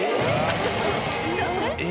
えっ？